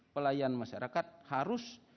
pelayan masyarakat harus